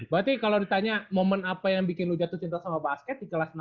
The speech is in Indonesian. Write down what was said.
berarti kalau ditanya momen apa yang bikin lu jatuh cinta sama basket di kelas enam